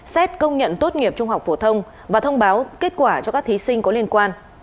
xét công nhận tốt nghiệp trung học phổ thông và thông báo kết quả cho các thí sinh có liên quan